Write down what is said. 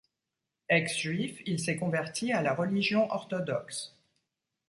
Ex-juif, il s’est converti à la religion orthodoxe.